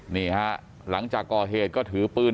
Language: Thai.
นี่ฮะหลังจากก่อเหตุก็ถือปืน